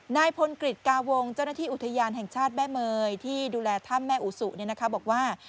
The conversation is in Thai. นายพลกฤษกาวงเจ้าหน้าที่อุทยานแห่งชาติแม่เมยที่ดูแลถ้ำแม่อุสุบอกว่า